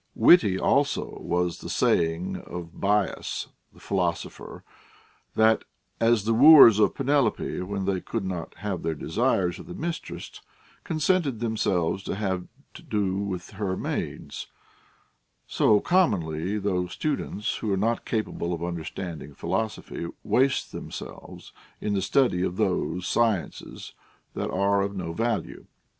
Witty also was the saying of Bias, the philos opher, that, as the wooers of Penelope, when they could not have their desire of the mistress, contented themselves to have to do with her maids, so commonly those students who are not capable of understanding philosophy waste them selves in the study of those sciences that are of no value.